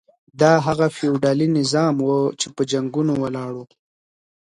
دا هغه فيوډالي نظام و چي په جنګونو ولاړ و.